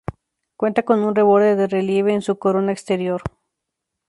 Cuenta con un reborde de relieve en su corona exterior.